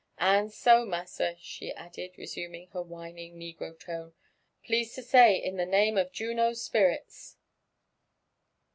And so, massa," she added, resuming her whining negro tone, " please to say, in the name of Juno's spirits."